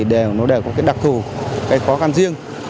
đều có đặc thù khó khăn riêng